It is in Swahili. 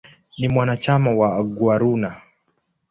Ni mwanachama wa "Aguaruna".